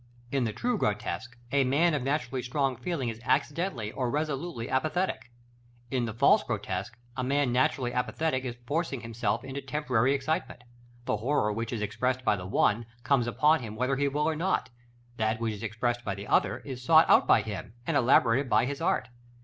In the true grotesque, a man of naturally strong feeling is accidentally or resolutely apathetic; in the false grotesque, a man naturally apathetic is forcing himself into temporary excitement. The horror which is expressed by the one, comes upon him whether he will or not; that which is expressed by the other, is sought out by him, and elaborated by his art.